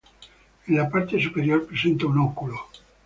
En la parte superior presenta un óculo.